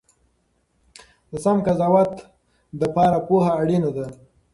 د سم قضاوت لپاره پوهه اړینه ده.